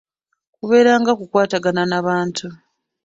Kubeera nga kukwatagana n’abantu.